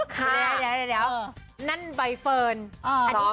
คำตอบเรามีแค่สองช่อยถ้ายัดสองน้อง